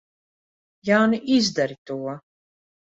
Jāni, izdari to!